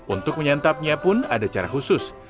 untuk menyantapnya pun ada cara khusus